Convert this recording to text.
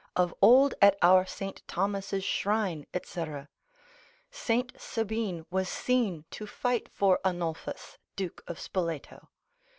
of old at our St. Thomas's shrine, &c. St. Sabine was seen to fight for Arnulphus, duke of Spoleto.